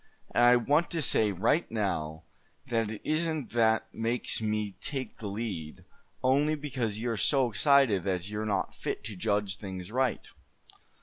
And I want to say right now that it isn't that makes me take the lead, only because you are so excited that you're not fit to judge things right."